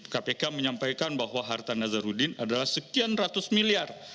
kpk menyampaikan bahwa harta nazarudin adalah sekian ratus miliar